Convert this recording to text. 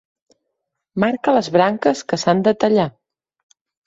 Marca les branques que s'han de tallar.